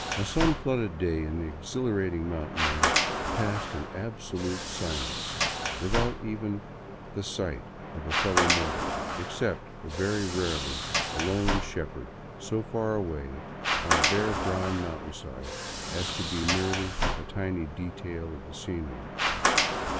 A sun flooded day in the exhilarating mountain air passed in absolute silence without even the sight of a fellow mortal, except very rarely a lone shepherd so far away on a bare brown mountainside as to be merely a tiny detail of the scenery.